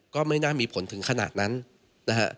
ก็ไม่น่ามีผลถึงขนาดนั้นนะฮะ